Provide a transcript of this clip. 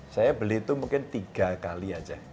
saya beli itu mungkin tiga kali aja